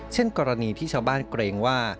เช่นกรณีที่ชาวบ้านเกรงว่า